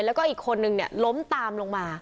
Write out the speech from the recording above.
แล้วก็อีกคนนึงล้มตามลงมา